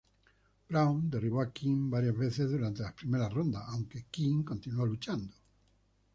Brown derribó a King varias veces durante las primeras rondas, aunque King continuó luchando.